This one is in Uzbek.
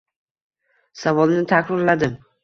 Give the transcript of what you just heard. Savolni takrorladim